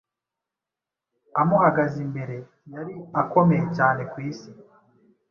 amuhagaze imbere, yari akomeye cyane ku isi,